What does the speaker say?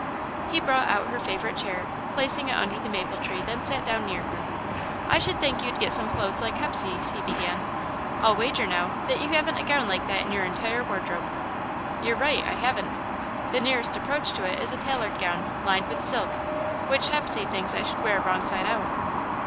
He brought out her favourite chair, placing it under the maple tree, then sat down near her. "I should think you'd get some clothes like Hepsey's," he began. "I'll wager, now, that you haven't a gown like that in your entire wardrobe." "You're right I haven't. The nearest approach to it is a tailored gown, lined with silk, which Hepsey thinks I should wear wrong side out."